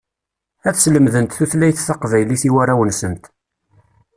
Ad slemdent tutlayt taqbaylit i warraw-nsent.